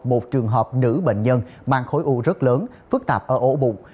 một trường hợp nữ bệnh nhân mang khối u rất lớn phức tạp ở ổ bụng